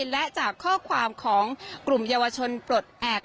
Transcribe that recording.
และจากข้อความของกลุ่มเยาวชนปลดแอบ